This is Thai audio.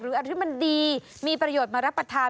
อะไรที่มันดีมีประโยชน์มารับประทาน